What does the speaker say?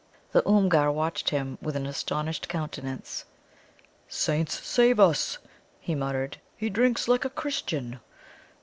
The Oomgar watched him with an astonished countenance. "Saints save us!" he muttered, "he drinks like a Christian!"